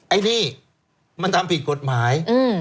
ไอ้นี่มันทำผิดกฎหมาย